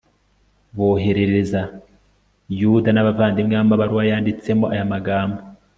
boherereza yuda n'abavandimwe be amabaruwa yanditsemo aya magambo